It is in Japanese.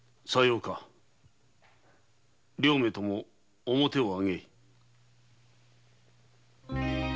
両名とも面をあげい。